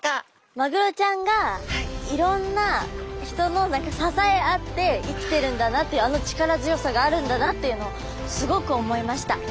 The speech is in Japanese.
マグロちゃんがいろんな人の支え合って生きてるんだなっていうあの力強さがあるんだなっていうのをすごく思いました。